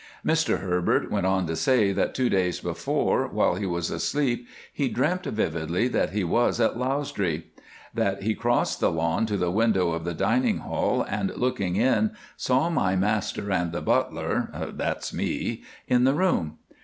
"Mr Herbert went on to say that two days before, while he was asleep, he dreamt vividly that he was at Lausdree; that he crossed the lawn to the window of the dining hall, and, looking in, saw my master and the butler (that's me) in the room.